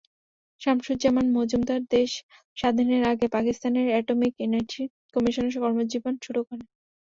শামসুজ্জামান মজুমদার দেশ স্বাধীনের আগে পাকিস্তানের অ্যাটমিক এনার্জি কমিশনে কর্মজীবন শুরু করেন।